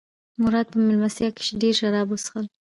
مراد په مېلمستیا کې ډېر شراب وڅښل.